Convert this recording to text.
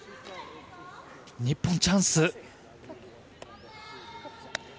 日本、チャンス。